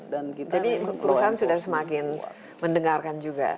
jadi perusahaan sudah semakin mendengarkan juga